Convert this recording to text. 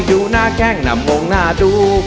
ดูหน้าแกล้งนำวงหน้าดู